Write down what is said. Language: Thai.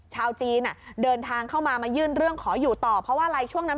ชาวจีนเดินทางเข้ามามายื่นเรื่องขออยู่ต่อเพราะว่าอะไรช่วงนั้น